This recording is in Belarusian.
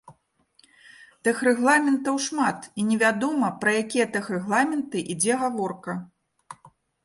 Тэхрэгламентаў шмат, і не вядома, пра якія тэхрэгламенты ідзе гаворка.